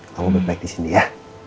kamu baik baik disini ya